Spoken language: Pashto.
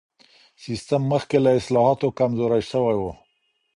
سیستم مخکې له اصلاحاتو کمزوری سوی و.